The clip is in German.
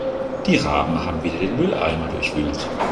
Die Raben haben wieder den Mülleimer durchwühlt.